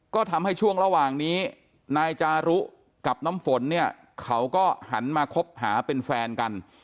ก็ทำให้ช่วงระหว่างนี้นายจารุกับน้ำฝนเนี่ยเขาก็หันมาคบหาเป็นแฟนกัน